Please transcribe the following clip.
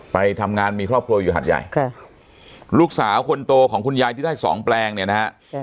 ไปทำงานมีครอบครัวอยู่หัดใหญ่ค่ะลูกสาวคนโตของคุณยายที่ได้สองแปลงเนี่ยนะฮะ